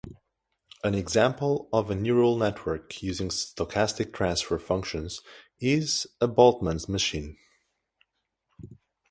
An example of a neural network using stochastic transfer functions is a Boltzmann machine.